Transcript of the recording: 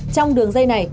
trong đường dây này